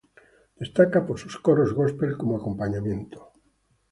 Destaca por sus coros gospel como acompañamiento.